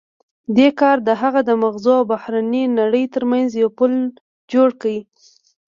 دې کار د هغه د ماغزو او بهرنۍ نړۍ ترمنځ یو پُل جوړ کړ